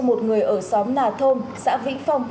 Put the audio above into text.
một người ở xóm nà thôn xã vĩ phong